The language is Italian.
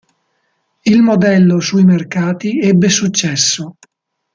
Il modello, sui mercati, ebbe successo.